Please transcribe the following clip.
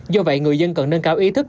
do vậy người dân cần nâng cao ý thức